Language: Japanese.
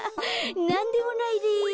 なんでもないです。